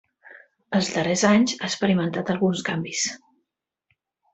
Els darrers anys ha experimentat alguns canvis.